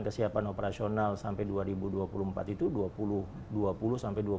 kesiapan operasional sampai dua ribu dua puluh empat